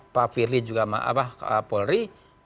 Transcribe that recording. pak firly juga polri